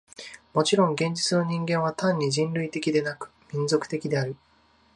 もちろん現実の人間は単に人類的でなく、民族的である。